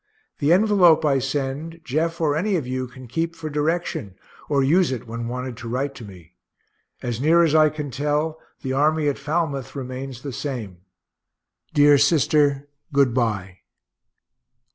The envelope I send, Jeff or any of you can keep for direction, or use it when wanted to write to me. As near as I can tell, the army at Falmouth remains the same. Dear sister, good bye.